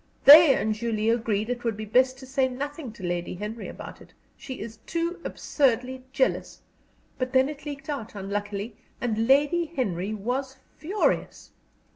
They and Julie agreed that it would be best to say nothing to Lady Henry about it she is too absurdly jealous but then it leaked out, unluckily, and Lady Henry was furious."